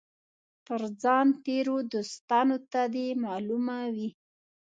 تر ځان تېرو دوستانو ته دي معلومه وي.